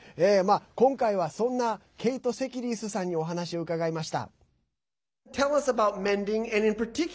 今回は、そんなケイト・セキュリースさんにお話を伺いました。